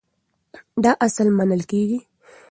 دا اصل منل کېږي.